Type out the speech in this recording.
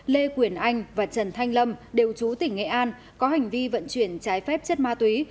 lê quyền anh và trần thanh lâm đều chú tỉnh nghệ an có hành vi vận chuyển trái phép chất ma túy